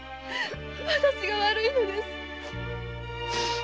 私が悪いのです。